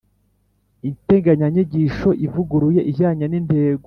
Integanyanyigisho ivuguruye ijyanye n’intego